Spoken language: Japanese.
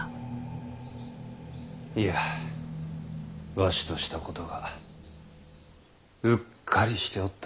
いやわしとしたことがうっかりしておった。